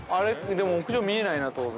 でも屋上見えないな、当然。